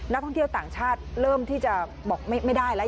นักท่องเที่ยวต่างชาติเริ่มที่จะบอกไม่ได้แล้ว